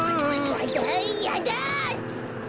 やだやだ！